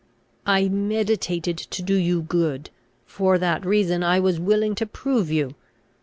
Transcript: "I meditated to do you good. For that reason I was willing to prove you.